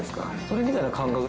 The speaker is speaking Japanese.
それみたいな感覚。